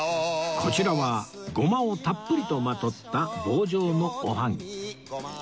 こちらはごまをたっぷりとまとった棒状のおはぎ